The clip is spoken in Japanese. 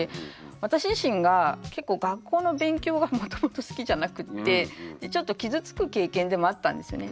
私自身が結構学校の勉強がもともと好きじゃなくって。でちょっと傷つく経験でもあったんですよね。